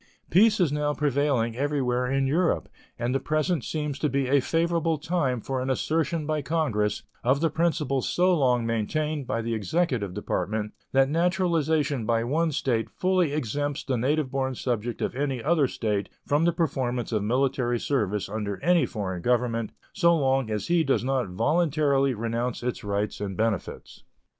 Peace is now prevailing everywhere in Europe, and the present seems to be a favorable time for an assertion by Congress of the principle so long maintained by the executive department that naturalization by one state fully exempts the native born subject of any other state from the performance of military service under any foreign government, so long as he does not voluntarily renounce its rights and benefits.